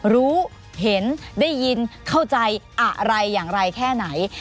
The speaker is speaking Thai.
รู้เห็นได้ยินเข้าใจอะไรอย่างไรแค่ไหน